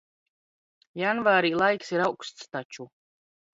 Janvārī laiks ir auksts taču.